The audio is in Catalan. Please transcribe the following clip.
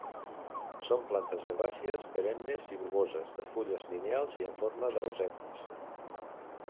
Són plantes herbàcies, perennes i bulboses, de fulles lineals i en forma de rossetes.